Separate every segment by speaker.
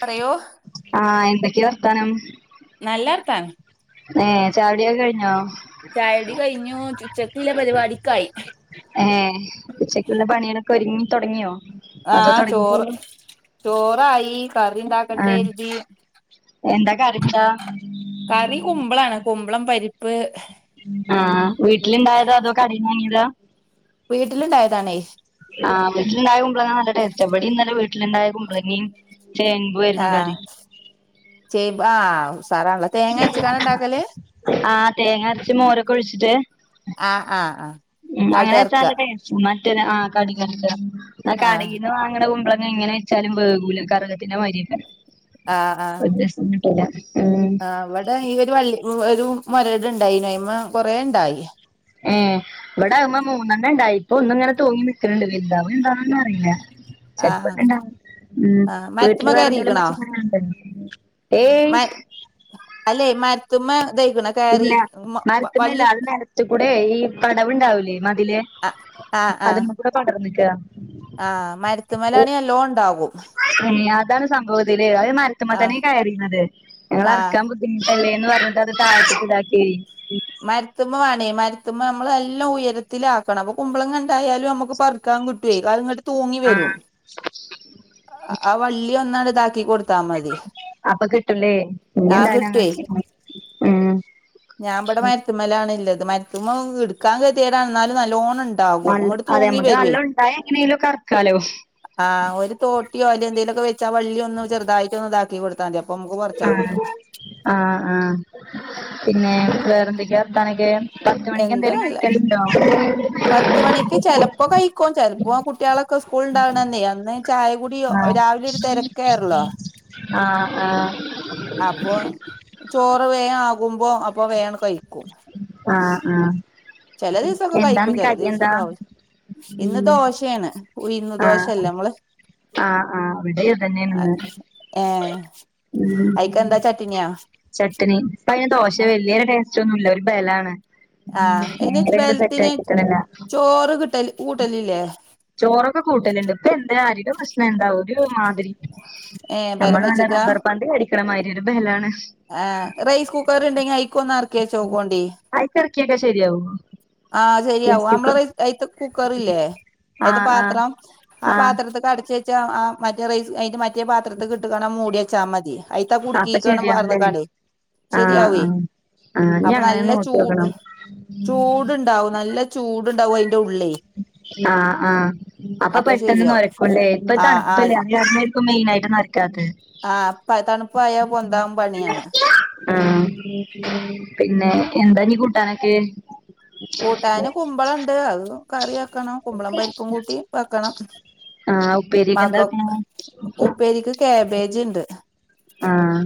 Speaker 1: പറയോ?
Speaker 2: ആഹ് എന്തൊക്കെയ വർത്താനം?
Speaker 1: നല്ലർത്താനം.
Speaker 2: മഹ് ചായൂടിയൊക്കെ കഴിഞ്ഞോ?
Speaker 1: ചായൂടി കഴിഞ്ഞു ചു ചുച്ചക്കുല്ല പരിപാടിക്കായി
Speaker 2: ഏഹ് ഉച്ചക്കുള്ള പണികളൊക്കെ ഒരുങ്ങി തുടങ്ങിയോ?
Speaker 1: ആഹ് ചോറ് ചോറായി
Speaker 2: ആഹ്
Speaker 1: കറിണ്ടാക്കട്ടെരിതി
Speaker 2: എന്താ കറിയെന്താ?
Speaker 1: കറി കുമ്പളാണ് കുമ്പളം പരിപ്പ്
Speaker 2: ആഹ് വീട്ടിലിണ്ടായതോ അതോ കടേന്നു വാങ്ങിയതോ?
Speaker 1: വീട്ടിലുണ്ടായതാണേ
Speaker 2: ആ വീട്ടിലണ്ടായ കുമ്പളങ്ങാ നല്ല ടേസ്റ്റാ ഇവിടെ ഇന്നലെ വീട്ടിലുണ്ടായ കുമ്പളങ്ങയും ചേമ്പുവാരുന്നു
Speaker 1: ആഹ്
Speaker 2: കറി
Speaker 1: ചേമ്പ് ആഹ് സാദാള്ള
Speaker 2: ആ തേങ്ങ അരച്ച് മോരൊക്കെ ഒഴിച്ചിട്ട്
Speaker 1: ആഹ് ആഹ് ആഹ്
Speaker 2: മഹ് അങ്ങനെ
Speaker 1: കടർക്ക
Speaker 2: വെച്ചാലെ ടേസ്റ്റ് മറ്റ ആ കടികൾക്ക ഇവിടെ
Speaker 1: ആഹ്
Speaker 2: കടയിൽ നിന്ന് വാങ്ങണ കുമ്പളങ്ങ എങ്ങനെ വെച്ചാലും വേകൂല കറുകത്തിന്റെ മാതിരിയുണ്ടാകും ഒരു ദിവസം ഇങ്ങട്ട് വരാ മഹ്
Speaker 1: ആ അവിടെ ഈ ഒരു വള്ളി ഒരു മൊരട് ഉണ്ടായി നോയ്മ് കൊറെേ ഉണ്ടായി
Speaker 2: ആഹ് ഇവിടെ മൂ മൂന്നെണ്ണം ഉണ്ടായി ഇപ്പൊ ഒന്ന് ഇങ്ങനെ തൂങ്ങി നിക്കണ് ണ്ട് വലുതാവുമോ എന്താണെന്ന് അറിയില്ല
Speaker 1: ആഹ്
Speaker 2: [unintelligible] മഹ്
Speaker 1: ആഹ്
Speaker 2: വീട്ടിൽ
Speaker 1: മരത്തുമ്മെ
Speaker 2: വേറെ എന്തെകിലും
Speaker 1: കയറിക്കണോ
Speaker 2: പച്ചക്കറി ഉണ്ടോ? ഏയ്
Speaker 1: മ അല്ലെ മര്ത്തുമ്മെ [unintelligible]
Speaker 2: പിന്നെ മരത്തിമ്മേല് അത് മരത്തി കൂടെ ഈ പടവുണ്ടാവൂലേ മതില്
Speaker 1: ആഹ് ആഹ്
Speaker 2: ഇവിടെ തൊടർന്നിക്ക
Speaker 1: ആഹ് മരത്തിൻ മേലയാണി നല്ലോണം ഉണ്ടാകും
Speaker 2: മഹ് അതാണ് സംഭവം ഇതില് അത് മരത്തമ്മേ
Speaker 1: ആഹ്
Speaker 2: തനെയ കയറിയിരുന്നത്
Speaker 1: ആഹ്
Speaker 2: ഞങ്ങളിറക്കാൻ ബു പിഞ്ചല്ലേന്ന് പറഞ്ഞിട്ട്ത് തഴത്തേക്ക് ഇതാക്കി.
Speaker 1: മരത്തുമ്മ വേണേ മരത്തുമ്മ നമ്മള നല്ല ഉയരത്തിലാക്കണം അപ്പൊ കുമ്പ്ളങ്ങ ഇണ്ടായാലും നമ്മുക്ക് പ ക്കാം കിട്ടുവെ അത് ഇങ്ങട്ട് തൂങ്ങി വരും. ആഹ് വള്ളി ഒന്നട് ഇതാ ക്കി കൊൊടുത്താ മതി
Speaker 2: അപ്പൊ കിട്ടൂലേ ഇനി
Speaker 1: ആ
Speaker 2: എന്തായാലും
Speaker 1: കിട്ടേ
Speaker 2: അങ്ങനെ ചെയ്യണം ഉം
Speaker 1: ഞാൻബിടെ മേലാണള്ളത് മരുത്തുമ്മ എടുക്കാൻ [unintelligible] എന്നാലും നല്ലോണം ഉണ്ട്
Speaker 2: നല്ല അതെ നമ്മുക്ക് നല്ല ഉണ്ടായ എങ്ങനെങ്കിലും ഒക്കെറക്കാലോ
Speaker 1: ആഹ് ഒരു തോട്ടിയോ എന്തേങ്കിലൊക്കെ വെച്ച് ആ വള്ളിയൊന്ന് ചെറുതായിട്ട് ഒന്ന് ഇതാക്കി കൊടുത്താ മതി അപ്പൊ നമുക്ക്
Speaker 2: ആ
Speaker 1: പറിച്ചാൻ കിട്ടും
Speaker 2: ആഹ് ആ പിന്നെ വേറെന്തൊക്കെയാ വർത്താനൊക്കെ പത്തുമണിക്ക്
Speaker 1: എന്താ
Speaker 2: എന്തേലും
Speaker 1: അല്ല
Speaker 2: കഴിക്കലുണ്ടോ
Speaker 1: ക്കും ചെൽപ്പോ കുട്ട്യാളൊക്കെ സ്കൂള്ണ്ടാവ്ണന്നേ അന്ന് ചായകുടി
Speaker 2: ആഹ്
Speaker 1: രാവിലൊര്തെരക്കല്ലേ
Speaker 2: ആഹ് ആഹ്
Speaker 1: അപ്പം ചോറ് വേംആകുമ്പോ അപ്പൊ വേണ്ട് കഴിക്കും
Speaker 2: ആഹ് ആഹ്
Speaker 1: ചെല ദിവസൊക്കെ കഴിക്കും
Speaker 2: എന്താന്ന്
Speaker 1: ചെല
Speaker 2: കടി
Speaker 1: ദിവസം എന്താ ഇന്ന് ദോശേണ് ഉയ്ന്ന്
Speaker 2: ആഹ്
Speaker 1: ദോശല്ലേ നമ്മള്
Speaker 2: ആഹ് ആഹ് അവിടെയിതന്നെയേണ്ന്ന്
Speaker 1: ഏ
Speaker 2: ഉം
Speaker 1: അയിക്കെന്താ ചട്ടിനിയാ
Speaker 2: ചട്നി ഇപ്പതിന് ദോശ വല്ല്യൊര് ടേസ്റ്റ് ഒന്നുല്ല ഒരു ബലാണ്
Speaker 1: ആഹ് അയ്ന്
Speaker 2: നേരെ അങ്ങട് സെറ്റ്
Speaker 1: ബെലത്തിന്
Speaker 2: ആക്കിട്ടണില്ല
Speaker 1: ചോറ് കിട്ടല് കൂട്ടലില്ലേ
Speaker 2: ചോറൊക്കെ കൂട്ടല്ണ്ട് ഇപ്പൊ എന്താ ആരിയുടെ പ്രശ്നം എന്താ ഒരു മാതിരി
Speaker 1: ഏ ബലം
Speaker 2: നമ്മള് നല്ല
Speaker 1: വെച്ചക്കാ
Speaker 2: റബ്ബർ പാന്ത് കടിക്ക്ണമാതിരി ഒരു ബലാണ്
Speaker 1: ആ റൈസ് കുക്കർ ഇണ്ടെങ്കി അയിക്കൊന്നെറ്ക്കി വെചോക്കൊണ്ടി
Speaker 2: ആയിക്കെറ്ക്കിയ്ട്ട് അ് ശെരിയാവോ
Speaker 1: ആഹ് ശരിയാവും നമ്മളേല് അയ്ത്തെ കുക്കറല്ലേ അയ്ത്തെ
Speaker 2: ആഹ് ആഹ്
Speaker 1: പാത്രം ആ
Speaker 2: ആഹ്
Speaker 1: പാത്രത്ത്ക്ക് അടച്ച് വെച്ചാ ആ മതി റൈസ് അതിന്റെ മ റ്റേ പാത്രത്ത്ക്കിട്ട്കാണ്ട് ആ മൂടിവെച്ചാ മതി അയിത്താ
Speaker 2: അപ്പൊ
Speaker 1: കുട്ക്കീക്കാണ്ട്
Speaker 2: ശരിയാണല്ലേ
Speaker 1: പാറ്ന്ന് കാണ്ടെ
Speaker 2: ആഹ്
Speaker 1: ശരിയാവേ
Speaker 2: ആഹ് ആഹ് ഇനി
Speaker 1: അപ്പം
Speaker 2: അങ്ങനെ
Speaker 1: നല്ല ചൂ
Speaker 2: നോക്കിയോക്കണം
Speaker 1: ചൂട് ട്ണ്ടാവും നല്ല ചൂടുണ്ടാവും അതിന്റെ ഉള്ളെ
Speaker 2: ആഹ് ആഹ് അപ്പൊ പെട്ടൊന്ന്
Speaker 1: ശരിയാവും
Speaker 2: ന്നൊരക്കുല്ലെ ഇപ്പം
Speaker 1: ആഹ് ആഹ്
Speaker 2: തണ്പ്പല്ലേ ക്ക് മെയിനായിട്ട് നൊര്ക്കാത്തെ
Speaker 1: ആ പ്പം തണ്പ്പായ പൊന്താൻ പണിയാണ്
Speaker 2: ആഹ് പിന്നെ എന്താ ഞ്ഞ് കൂട്ടാനൊക്കെ
Speaker 1: കൂട്ടാന് കുമ്പളണ്ട് അത് കറി ആക്കണം കുമ്പളം പരിപ്പും കൂട്ടി വെക്കണം
Speaker 2: ആഹ് ഉപ്പേരിക്ക് എന്താവെക്ക്ണേ
Speaker 1: പേരിക്ക് കേബേജ്ണ്ട്
Speaker 2: ആഹ്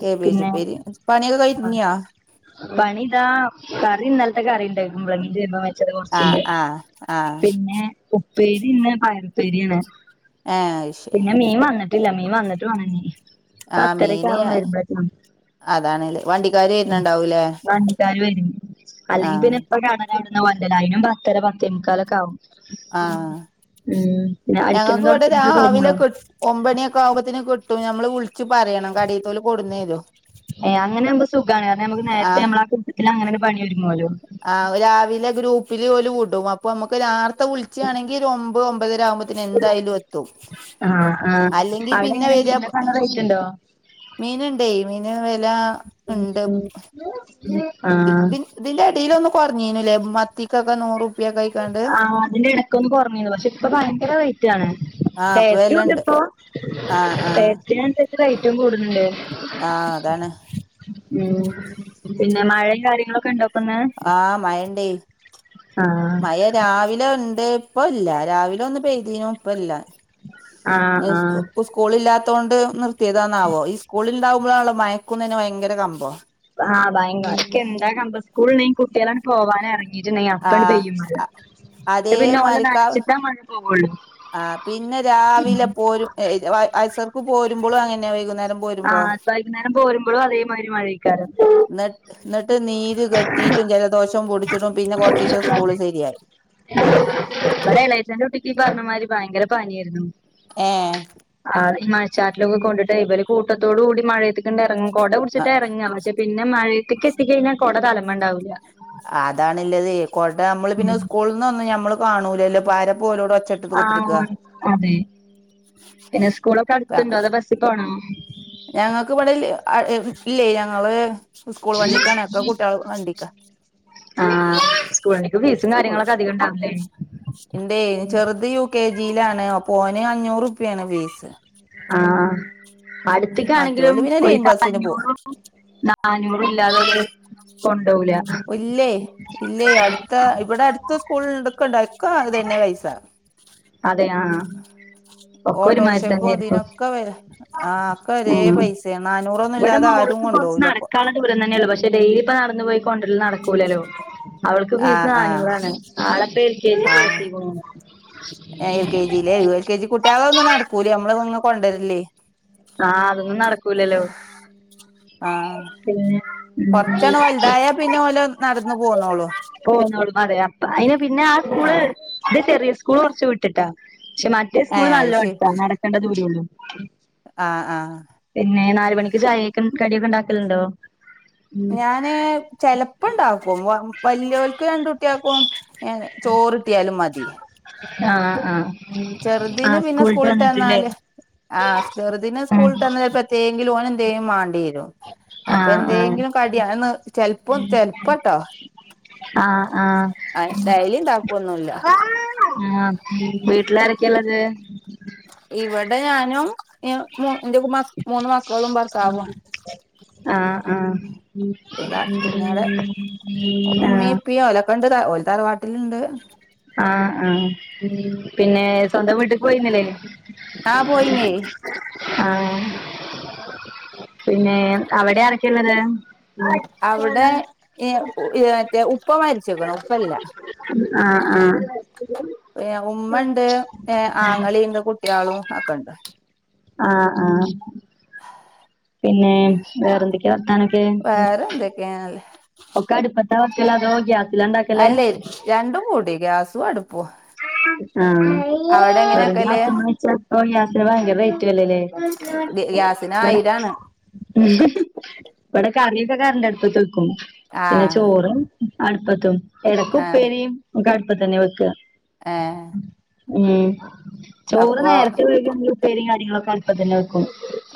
Speaker 1: കേബേജ്പ്പേരി പണിയൊക്കേ ക ഒര്ങ്ങിയോ
Speaker 2: പണിതാ കറി ഇന്നലത്തെ കറിണ്ട് കുമ്പ്ളങ്ങിം ചേമ്പും വെച്ചത് കൊറ്ച്ച്ണ്ട്
Speaker 1: ആ ആഹ്
Speaker 2: പിന്നെ ഉപ്പേരി ഇന്ന് പയറുപ്പേരിയാണ്
Speaker 1: ഏഹ് അത് ശരി
Speaker 2: പിന്നെ മീൻ വന്നിട്ട് ട്ടില്ല മീൻ വന്നിട്ട് വാണംഞ്ഞ്
Speaker 1: ആഹ്
Speaker 2: പത്തരൊക്കെ
Speaker 1: മീന്
Speaker 2: ആവും വരുമ്പോത്തിന്
Speaker 1: അതാണ്ല്ലേ വണ്ടിക്കാര് വരുന്നുണ്ടാവൂലേ
Speaker 2: മ് [unintelligible] ക്കാര് വരും അല്ലെങ്കിൽ
Speaker 1: ആഹ്
Speaker 2: പിന്നെ ഇപ്പം കടൻ്റവിട്ന്ന് കൊണ്ടര്ലാ അതിനും പത്തര പത്തേമുക്കാലൊക്കെ ആകും
Speaker 1: ആഹ്
Speaker 2: ഉം പിന്നെ അടിക്കലും
Speaker 1: ഞങ്ങക്ക് ഇവിടെ
Speaker 2: തൊടക്കലും
Speaker 1: രാവിലെ
Speaker 2: കയിഞ്ഞോ
Speaker 1: കി ഒമ്പണിയൊക്കെ ആകുമ്പത്തിന് കിട്ടും നമ്മൾ വിൾ
Speaker 2: ഏ അങ്ങനാവുമ്പോ സുഖാണ് കാരണം നമ്മുക്ക് നേരത്തെ നമ്മളെ [unintelligible] ത്തിലങ്ങനൊര് പണി ഒര്ങ്ങൊല്ലോ
Speaker 1: ആ രാവിലെ ഗ്രൂപ്പില് ഓല് വുടു അപ്പമ്മക്ക് നാർത്തെ വുൾ ചാണെങ്കി ഒരമ്പോമ്പതരാവുമ്പത്തിന് എന്തായാലു എത്തും
Speaker 2: ആഹ ആ
Speaker 1: അല്ലെങ്കി
Speaker 2: അവിടിങ്ങനെ മീനൊക്കെ ല്ല റേറ്റ് ണ്ടോ
Speaker 1: മീനിണ്ടേയ് മീന് വെല ണ്ട്
Speaker 2: [inaudible]
Speaker 1: ഇ തിന്റെ എടീലൊന്ന് കൊർഞ്ഞീന്നു ലെ മത്തിക്കൊക്കെ നൂറു
Speaker 2: ആ അതിന്റെ എടക്കൊന്ന് കൊർഞ്ഞീന്നു പക്ഷെ ഇപ്പൊ ഭയങ്കര റേറ്റ് ആണ്
Speaker 1: ആഹ് ഇപ്പൊ
Speaker 2: ടേസ്റ്റുണ്ട്
Speaker 1: വെലണ്ട്
Speaker 2: പ്പോ
Speaker 1: ആഹ് ആഹ്
Speaker 2: ടേസ്റ്റിനൻസര്ച് റേറ്റും കൂട്ണണ്ട്
Speaker 1: ആ അതാണ്
Speaker 2: ഉം പിന്നെ മഴെ കാര്യങ്ങളൊക്കെ ണ്ടോ പ്പന്ന്
Speaker 1: ആ മയണ്ടേയ്
Speaker 2: ആഹ്
Speaker 1: മയ രാവിലെണ്ട് പ്പല്ല രാവിലൊന്ന് പെയ്തീനു പ്പല്ല
Speaker 2: ആഹ്
Speaker 1: [unintelligible]
Speaker 2: ആഹ്
Speaker 1: സ്കൂ കൂളില്ലാത്തോണ്ട് നിർത്യേതാന്നാവോ ഈ സ്കൂള് ഇണ്ടാവുമ്പളാണല്ലോ മയക്കു തന്നെ ഭയങ്കര കമ്പം
Speaker 2: ആ ഭയങ്കെന്താ കമ്പ സ്കൂള ണ്ടെ കുട്ട്യാള പോകാനറ [unintelligible] അപ്പൺ
Speaker 1: ആഹ്
Speaker 2: പെയ്യും മഴ ട്ട് പിന്നെ ഓല നനച്ട്ടാ മഴ പോവൊള്ളു
Speaker 1: ആ പിന്നെ രാവിലെ പോരും വയ് അയ്സർക്ക് പോരുമ്പളു അങ്ങനെതന്നെ വൈകുന്നേര പോരുമ്പോ
Speaker 2: ആഹ് വൈകുന്നേരം പോരുമ്പോഴും അതേമാതിരി മഴയ്ക്കാരം
Speaker 1: ന്ന ന്നട്ട് നീര് കെട്ടീറ്റു ജല- ദോഷം പൊടിച്ചിടുംപിന്നെ കൊർച്ചീസം സ്കൂള് സെരിയായി
Speaker 2: ബടെളേച്ചന്റുട്ടി ക്കീ പറഞ്ഞമായ്രി ഭയങ്കര പനി ഏര്ന്നു
Speaker 1: ഏ..
Speaker 2: ആ ഈ മയച്ചാറ്റലൊക്കെ കൊണ്ടിട്ടേ ഇബരു കൂട്ടത്തോടൂടി മഴത്തേക്കിണ്ടെറങ്ങും കൊട പിടിച്ചിട്ടാ ഇറങ്ങാ മറ്റെ പിന്നെ മയെത്തിക്കെത്തിക്കയ്ഞ്ഞാ കൊട തലമ്മേ ഉണ്ടാവൂല്ല
Speaker 1: അതാണ് ല്ലതെയ് കൊട അമ്മള് പിന്നെ
Speaker 2: ഉം
Speaker 1: ഉസ്കൂൾ നൊന്നും ഞമ്മള് കാണൂലല്ലോ പാര പോലോട
Speaker 2: ആ അതെ പിന്നെ സ്കൂളൊക്കെ അടുത്തുണ്ടോ അതോ ബസ്സി പോണോ
Speaker 1: ഞങ്ങക്ക് ബടെ ല്ലേ അ എ ല്ലേയ് ഞങ്ങള് ഉസ്കൂൾ വണ്ടിക്കാണ ഒക്കെ കുട്ട്യാള് വണ്ടിക്കാ
Speaker 2: ആ സ്കൂളണ്ടിക്ക് ഫീസും കാര്യങ്ങളൊക്കെ അധിക്കുണ്ടാവില്ലേ
Speaker 1: ണ്ടേയ് ചെറുത് യു കെ ജീലാണ് അപോ ഓന് അഞ്ഞൂറു റുപ്യാണ് ഫീസ്
Speaker 2: ആ അട്ത്തിക്കാണെങ്കിലും
Speaker 1: മറ്റോല് പിന്നെ ലൈൻ ബസിന് പോവും
Speaker 2: ഒല്ക്കഞ്ഞൂറും [unintelligible] നാന്നൂറുല്ലാതോല്
Speaker 1: ല്ലേയ് ല്ലേ അട [inaudible] ഇബടടുത്ത് ഉസ്കൂളണ്ടാക്കയിക്ക അതന്നെ പൈസ
Speaker 2: അതെ ആ ഒക്കൊരുമാരി
Speaker 1: ഓട്ടോറിക്ഷക്കും
Speaker 2: തന്നെരിക്കും
Speaker 1: ഇതിനൊക്കെ
Speaker 2: ആ
Speaker 1: [unintelligible] നാനൂറോ
Speaker 2: വടെ മോള്ക്ക് പ്പ കൊർച്ച് നടക്കാള്ള ദൂര തന്നെള്ളൂ പഷെ ടെയ്ലി പ്പ നടന്ന് പോയി കോണ്ടല് നടക്കൂലല്ലോ അവൾക്ക് ഫീസ്
Speaker 1: ആഹ് ആഹ്
Speaker 2: നന്നൂറാണ് ആളപ്പം എൽക്കെജീ ചേർത്തീക്കണു
Speaker 1: ഏ എൽ കേ ജീലേ എൽ കെ ജി കുട്ട്യാളെന്നും നടക്കൂലേ അമ്മള് ങ്ങനെ കൊണ്ടരലെയ്
Speaker 2: ആഹ് അതൊന്നും നടക്കൂലല്ലോ
Speaker 1: ആഹ
Speaker 2: പിന്നെ ഉം
Speaker 1: കൊർച്ചൊന്ന് വെൽതായാ പിന്നെ ഓല് നടന്നു പോന്നോളും
Speaker 2: പോന്നോളും അതെ അപ്പ അയ്ന് പിന്നെ ആ സ്കൂള്
Speaker 1: ആഹ്
Speaker 2: ഇത് ചെറിയ സ്കൂള് കൊർച്ച് വിട്ടിട്ടാ പഷെ മറ്റേ സ്കൂള്
Speaker 1: ഏഹ് അത്
Speaker 2: നല്ലാട്ടാ നടക്കേണ്ട ദ ദൂരുള്ളൂ
Speaker 1: ആ ആ...
Speaker 2: പിന്നെ നാല് മണിക്ക് ചായീക്ക് കടിയൊക്കെ ണ്ടാക്കല്ണ്ടോ
Speaker 1: ഞാന് ചെലപ്പണ്ടാക്കും വല്യോൽക്ക് രണ്ടുട്ട്യാക്കും ഏ ചോറ്ട്ട്യാലും മതി
Speaker 2: ആഹ് ആഹാ
Speaker 1: ചെർതിന് പിന്നെ സ്കൂള്ട്ടന്നാല് ആ ചെറ് തിന്
Speaker 2: ഉം
Speaker 1: സ്കൂള്ട്ടന്ന പത്തെങ്കിലും ഓനന്തേലും മാണ്ടേരും അപ്പൊ
Speaker 2: ആഹ് ആഹ്
Speaker 1: എന്തെങ്കിലും കടിയണന്ന് ചെല്പ്പം ചെല്പ്ം ട്ടോ
Speaker 2: ആഹ് ആഹ്
Speaker 1: ആ ഡയലിണ്ടാക്കൊന്നുംല്ല
Speaker 2: ആഹ് വീട്ടിലാരക്കെല്ലത്
Speaker 1: ഇവിടെ ഞാനും എ മു എന്റെ ത് മൂന്ന് മക്കളും ഭർത്താവും
Speaker 2: ആഹ്
Speaker 1: പിതാ പിന്നാടെ
Speaker 2: ആഹ്
Speaker 1: ഉമ്മി
Speaker 2: ആഹ്
Speaker 1: [unintelligible] ഓല് തറവാട്ടില്ണ്ട്
Speaker 2: ആഹ് ആഹ് പിന്നെ സ്വന്തം വീട്ട്ക്ക് പോയിന്നില്ലേ
Speaker 1: ആ പോയിനേ
Speaker 2: ആഹ് പിന്നെ അവിടെ ആരൊക്കെയാള്ളത്
Speaker 1: അവിടെ ഏ ഏ മറ്റേ ഉപ്പമര് [unintelligible] ഉപ്പല്ല
Speaker 2: ആഹ് ആഹ്
Speaker 1: പിന്നെ ഉമ്മ ഉണ്ട് ഏ ആങ്ങളയുണ്ട് കുട്ടികളും ഒക്കെണ്ട്
Speaker 2: ആഹ് ആഹ് പിന്നെ വേറെ എന്തൊക്കെയാ വർത്താനൊക്കെ
Speaker 1: ല്ലേ [unintelligible]
Speaker 2: ഒക്കെ അടുപ്പത്ത വെക്കല് അതോ ഗ്യാസിലോ
Speaker 1: അല്ല രണ്ടും കൂടി ഗ്യാസും അടു
Speaker 2: ആഹ്
Speaker 1: എങ്ങനെ
Speaker 2: ഒരു
Speaker 1: വെക്കല്
Speaker 2: ഗ്യാസ് [unintelligible] ഗ്യാസിന് പയങ്കര റേറ്റ് വരല്ലേ
Speaker 1: ഗ്യാസിന്
Speaker 2: വട
Speaker 1: ആയിരാണ്
Speaker 2: ഇവിടെ കറിയൊക്കെ കറണ്ട് അടുപ്പത്ത് വെക്കും പിന്നെ
Speaker 1: ആഹ്
Speaker 2: ചോറും അടുപ്പത്തും എടക്ക്
Speaker 1: ആഹ്
Speaker 2: ഉപ്പേരിയും ഒക്കെ അടുപ്പത്ത് തന്നെ വെക്ക
Speaker 1: ആഹ്
Speaker 2: ഉം ചോറ്
Speaker 1: അപ്പൊ
Speaker 2: നേരത്തെ വേവിക്കാണങ്കിൽ ഉപ്പേരിയും കാര്യങ്ങളൊക്കെ അടുപ്പത്ത് തന്നെ വെക്കും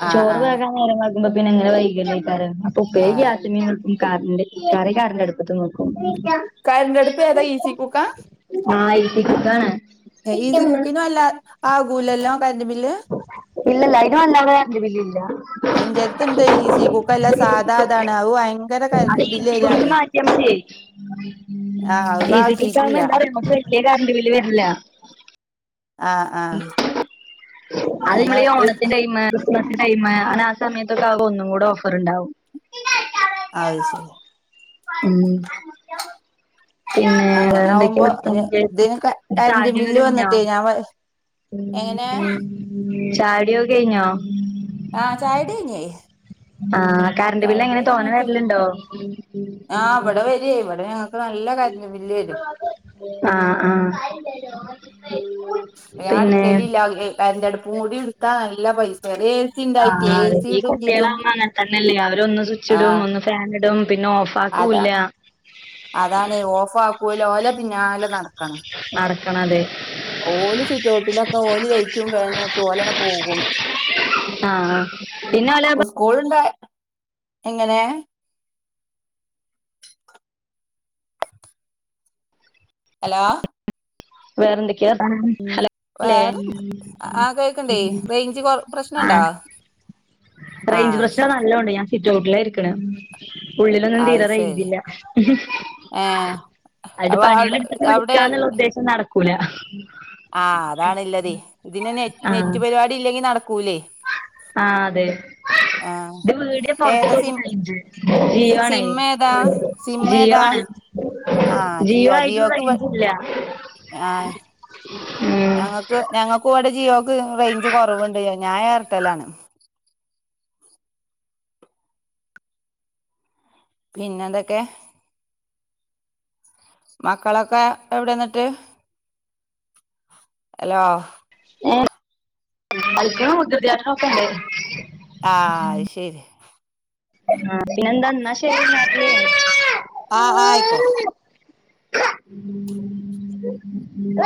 Speaker 1: ആഹ്
Speaker 2: ചോറ്
Speaker 1: ആഹ്
Speaker 2: വേകം നേരം വെളുക്കുമ്പോ പിന്നെ ഇങ്ങനെ വൈകി അല്ലെ വെക്കാറ് അപ്പൊ ഉപ്പേരി
Speaker 1: ആഹ്
Speaker 2: ഗ്യാസിമേൽ വെക്കും കറണ്ട് കറി കറണ്ട് അടുപ്പത്തും വെക്കും
Speaker 1: കറണ്ട് അടുപ്പേതാ ഈസി കുക്ക
Speaker 2: ആഹ് ഈ സി കുക്കാണ്
Speaker 1: ഈസി കുക്കിന് നല്ല ആകൂലല്ലോ കറണ്ട് ബില്ല്
Speaker 2: ആ ഇല്ല ഇല്ല അതിന് വലിയ
Speaker 1: ഇന്റെടുത്തുണ്ട് ഈ സീ കുക്കല്ല
Speaker 2: കറണ്ട്
Speaker 1: സാധാ അതാണ് അത്
Speaker 2: ബില്ല്
Speaker 1: ഭയങ്കര
Speaker 2: ഇല്ല
Speaker 1: ക
Speaker 2: അത് ഈസി
Speaker 1: ബില്ല് വരാണ്
Speaker 2: കുക്കെന്ന് ആകിയ മതിയേ
Speaker 1: ആഹ് അത്
Speaker 2: ഈസി കുക്ക് [unintelligible]
Speaker 1: ആക്കിട്ടില്ല
Speaker 2: വലിയ കറണ്ട് ബില്ല് വരില്ല
Speaker 1: ആഹ് ആഹ് അങ്ങനെ
Speaker 2: അതനമ്മളി ഓണത്തിന്റെ ടൈമ് ടൈമ് അങ്ങന ആ സമയത്തൊക്കെ ആവുമ്പോ ഒന്നുകൂടെ ഓഫറുണ്ടാവും
Speaker 1: അത് ശരി
Speaker 2: ഉം പിന്നെ
Speaker 1: അങ്ങനെ ആവുമ്പോ
Speaker 2: വേറെന്തൊക്കെയ
Speaker 1: ഇതിന് കറന്റ്
Speaker 2: [unintelligible]
Speaker 1: ബില്ല്
Speaker 2: കഴിഞ്ഞോ
Speaker 1: വന്നിട്ടേ ഞാൻ
Speaker 2: ഉം
Speaker 1: എങ്ങനെ
Speaker 2: ഉം ചായ കുടി ഒക്കെ കഴിഞ്ഞോ
Speaker 1: ആഹ് ചായ കുടി
Speaker 2: ആഹ് കറണ്ട് ബില്ല് എങ്ങനെ തോനെ
Speaker 1: കഴിഞ്ഞ്
Speaker 2: വരലുണ്ടോ
Speaker 1: ആ ഇവിടെ വരി ഇവിടെ ഇവിടെ നല്ല കറണ്ട് ബില്ല് വരും
Speaker 2: ആഹ് ആഹ്
Speaker 1: ഞാൻ
Speaker 2: പിന്നെ
Speaker 1: അടുക്കലെ ഇല്ല എന്റെ അടുപ്പും മൂടി എടുത്താ നല്ല പൈസല്ല
Speaker 2: ആ ഈ കുട്ടികള് അമ്മ അങ്ങനെ തന്നെയല്ലേ അവര് ഒന്ന് സ്വിച്ച് ഇടും ഒന്ന് ഫാൻ ഇടും പിന്നെ ഓഫ് ആക്കൂല്ല
Speaker 1: അതാണ് അതാണ് ഓഫ് ആകൂല ഓല പിന്നാലെ നട
Speaker 2: നടക്കണത്
Speaker 1: ഓല് സിറ്റൗട്ടിലൊക്കെ ഓല് ലൈറ്റും ഫേനുമിട്ട് ഓലങ്ങ് പോകും
Speaker 2: ആഹ് ആഹ് പിന്നെ വല്ല
Speaker 1: [unintelligible] എങ്ങനെ ഹലോ
Speaker 2: വേറെ എന്തൊക്കയാ വർത്താനം അല്ലേ
Speaker 1: വേറെന്ത് ആ കേൾക്കണ്ടേ റേഞ്ച് കൊ പ്രശ്നണ്ടോ
Speaker 2: ആഹ്
Speaker 1: ആ
Speaker 2: റേയ്ഞ്ച്
Speaker 1: അത്
Speaker 2: പ്രശ്നം
Speaker 1: ശരി
Speaker 2: നല്ലതോണ്ട് ഞാൻ സിറ്റ് ഔട്ടില ഇരിക്കണെ ഉള്ളിലൊന്നും
Speaker 1: അത്
Speaker 2: തീരെ
Speaker 1: ശരി
Speaker 2: റെയ്ഞ്ചില്ല
Speaker 1: ഏ
Speaker 2: അത്
Speaker 1: അപ്പ അവിടെ
Speaker 2: പണിയെല്ലാം എടുത്തിട്ട്
Speaker 1: അവിടെ
Speaker 2: വിളിക്കാന്നുള്ള ഉദ്ദേശം നടക്കൂല
Speaker 1: ആഹ് അതാണല്ലത് ഇതിന് നെ നെറ്റ് പരിപാടി ഇല്ലെങ്കി നടക്കൂല്ലേ
Speaker 2: ആഹ് അതെ ഇത് വീട്
Speaker 1: ഏതാ
Speaker 2: പൊറത്തക്ക
Speaker 1: സിം
Speaker 2: റേയ്ഞ്ച് ജിയോ ആണേ
Speaker 1: സിം ഏതാ സിം
Speaker 2: ജിയോ
Speaker 1: ഏതാ
Speaker 2: ആണ്
Speaker 1: ആ
Speaker 2: ജിയോ ആയിട്ട്
Speaker 1: ജിയോക്ക് ഇവ
Speaker 2: റെയ്ഞ്ചില്ല.
Speaker 1: [unintelligible] ഞങ്ങൾക്ക് ഞങ്ങൾക്ക് ഇവിടെ ജിയോക്ക് റേഞ്ച് കുറവുണ്ട്. ഞായേർടെലാണ് പിന്നെന്തൊക്കെ? മക്കളൊക്കെ എവിടെന്നിട്ട്? അലോ
Speaker 2: [unintelligible]
Speaker 1: ആഹ് അത്ശരി
Speaker 2: ആഹ് പിന്നെന്താ എന്നാ ശെരി രാത്രിയായി.
Speaker 1: ആഹ് ആയിക്കോട്ടെ
Speaker 2: ഉ